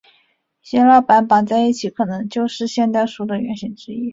把一些蜡板绑在一起可能就是现代书的原型之一。